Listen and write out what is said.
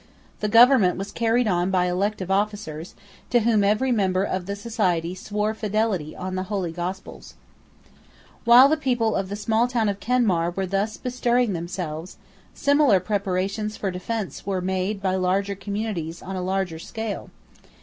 The government was carried on by elective officers, to whom every member of the society swore fidelity on the Holy Gospels, While the people of the small town of Kenmare were thus bestirring themselves, similar preparations for defence were made by larger communities on a larger scale.